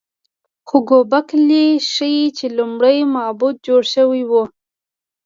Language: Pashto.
خو ګوبک لي ښيي چې لومړی معبد جوړ شوی و.